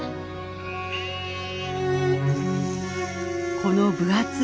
この分厚い